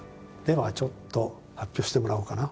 ではちょっと発表してもらおうかな。